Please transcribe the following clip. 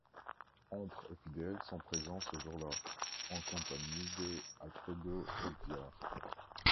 Entre et fidèles sont présents ce jour-là, en compagnie de Alfredo Obviar.